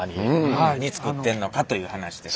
何作ってんのかという話です。